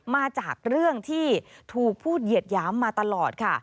มาจากเรื่องที่ถูกพูดเหยียดหยามมาตลอดค่ะ